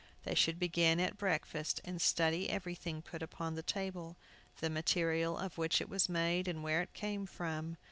They should begin at breakfast, and study everything put upon the table, the material of which it was made, and where it came from.